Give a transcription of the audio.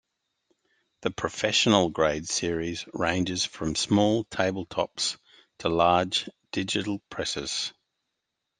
The professional grade series ranges from small table tops to large digital presses.